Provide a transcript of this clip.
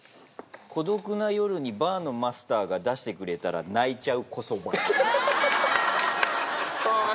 孤独な夜にバーのマスターが出してくれたら泣いちゃう小そば。